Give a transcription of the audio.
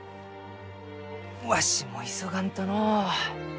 わしも急がんとのう。